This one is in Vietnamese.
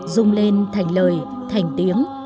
dung lên thành lời thành tiếng